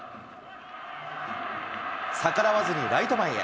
逆らわずにライト前へ。